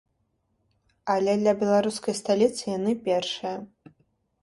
Але для беларускай сталіцы яны першыя.